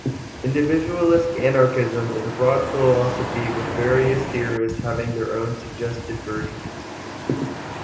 Individualist anarchism is a broad philosophy with various theorists having their own suggested versions.